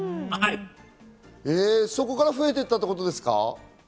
そこから増えていったんですか？